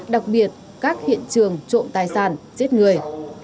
đặc biệt các hiện trường trộm tài sản chết người